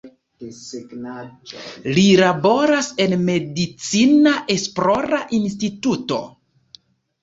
Li laboras en medicina esplora instituto.